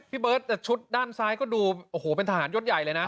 พี่เบิร์ตแต่ชุดด้านซ้ายก็ดูโอ้โหเป็นทหารยศใหญ่เลยนะ